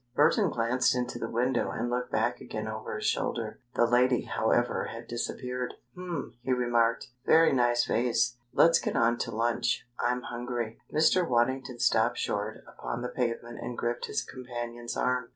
Burton glanced into the window and looked back again over his shoulder. The lady, however, had disappeared. "Hm!" he remarked. "Very nice vase. Let's get on to lunch. I'm hungry." Mr. Waddington stopped short upon the pavement and gripped his companion's arm.